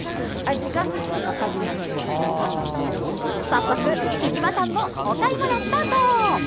早速、きじまさんもお買い物スタート。